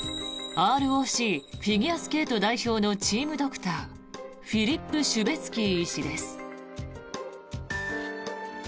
ＲＯＣフィギュアスケート代表のチームドクターフィリップ・シュベツキー医師です。